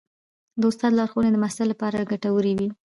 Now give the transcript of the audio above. د استاد لارښوونې د محصل لپاره ډېرې ګټورې وي.